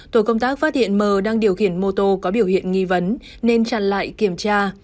tổ công tác phát hiện mờ đang điều khiển mô tô có biểu hiện nghi vấn nên chặn lại kiểm tra